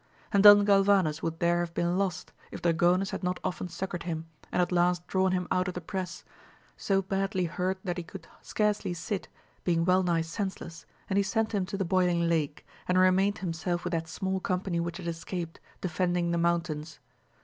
And Don Galvanes would there have been lost if Dragonis had not often succoured him, and at last drawn him out of the press, so badly hurt that he could scarcely sit, being well nigh senseless, and he sent him to the Boiling Lake, and remained himself with that small company which had escaped, defending the mountains.